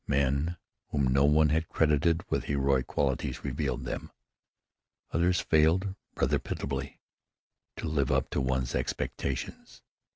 Men whom no one had credited with heroic qualities revealed them. Others failed rather pitiably to live up to one's expectations.